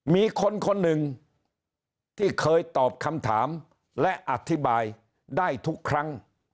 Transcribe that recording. มีคนคนหนึ่งที่เคยตอบคำถามและอธิบายได้ทุกครั้ง